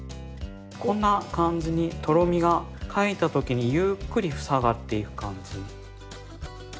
こんな感じにとろみがかいたときにゆっくりふさがっていく感じ。